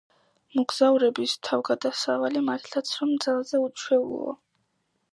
მოგზაურების თავგადასავალი მართლაც, რომ ძალზე უჩვეულოა.